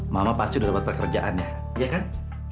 mama pasti udah dapat pekerjaan ya iya kan